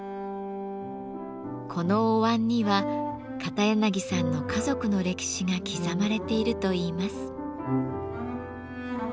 このお椀には片柳さんの家族の歴史が刻まれているといいます。